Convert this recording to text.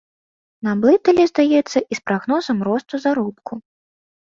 Наблыталі, здаецца, і з прагнозам росту заробку.